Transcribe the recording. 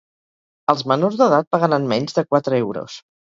Els menors d'edat pagaran menys de quatre euros.